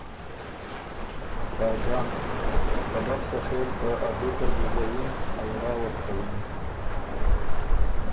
ساجان: خه بۀ بو سخېل که ا دوکه ر بُو زئِن، ا ورا وه بو کوِن